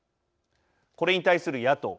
これに対する野党。